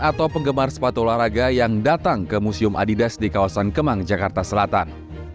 atau penggemar sepatu olahraga yang datang ke museum adidas di kawasan kemang jakarta selatan